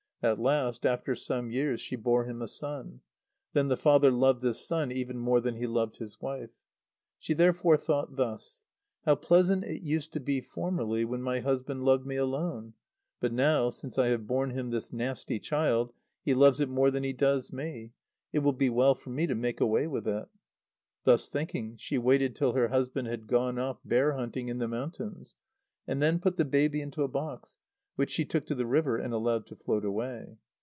At last, after some years, she bore him a son. Then the father loved this son even more than he loved his wife. She therefore thought thus: "How pleasant it used to be formerly, when my husband loved me alone! But now, since I have borne him this nasty child, he loves it more than he does me. It will be well for me to make away with it." Thus thinking, she waited till her husband had gone off bear hunting in the mountains, and then put the baby into a box, which she took to the river and allowed to float away.